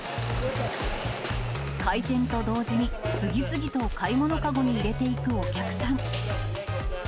開店と同時に次々と買い物籠へ入れていくお客さん。